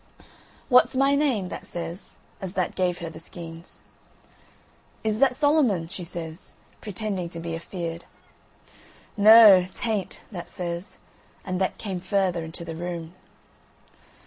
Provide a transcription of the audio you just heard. "What's my name?" that says, as that gave her the skeins. "Is that Solomon?" she says, pretending to be afeard. "Noo, t'ain't," that says, and that came further into the room.